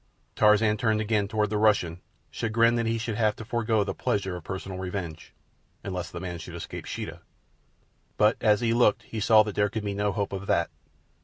Tarzan turned again toward the Russian, chagrined that he should have to forgo the pleasure of personal revenge—unless the man should escape Sheeta. But as he looked he saw that there could be no hope of that.